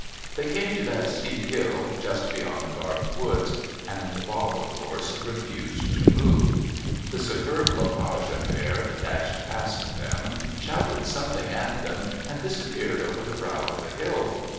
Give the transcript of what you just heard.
They came to that steep hill just beyond Garth woods, and Bob, of course, refused to move. The superb Le Page affair dashed past them, shouted something at them, and disappeared over the brow of the hill.